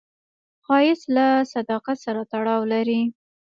ښایست له صداقت سره تړاو لري